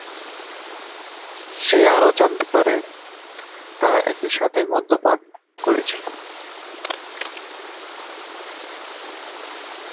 সে আরও জানতে পারে, তারা একইসাথে মদ্যপান করেছিল।